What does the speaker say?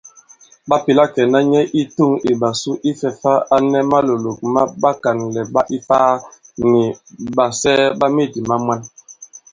Ɓa pèla kɛ̀na nyɛ i tûŋ ìɓàsu ifɛ̄ fā a nɛ malòlòk ma ɓakànlɛ̀ ɓa Ifaa nì ɓàsɛɛ ɓa medì ma mwan.